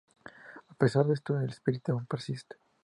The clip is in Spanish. A pesar de esto, su espíritu aún persiste.